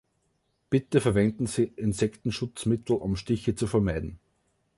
Bitte verwenden Sie Insektenschutzmittel, um Stiche zu vermeiden